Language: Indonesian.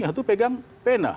yang satu pegang pena